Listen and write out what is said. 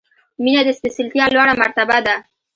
• مینه د سپېڅلتیا لوړه مرتبه ده.